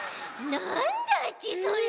なんだちそれ！